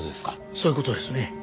そういう事ですね。